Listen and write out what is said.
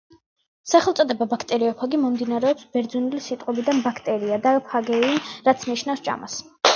სახელწოდება "ბაქტერიოფაგი" მომდინარეობს ბერძნული სიტყვებიდან "ბაქტერია" და "ფაგეინ", რაც ნიშნავს ჭამას.